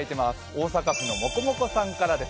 大阪府のもこもこさんからです。